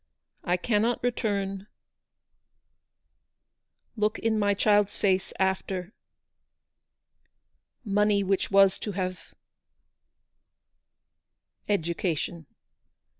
I cannot return look in my child's face after money which was to have education.